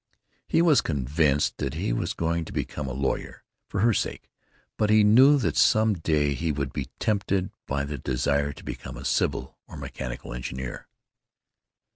He was convinced that he was going to become a lawyer, for her sake, but he knew that some day he would be tempted by the desire to become a civil or a mechanical engineer.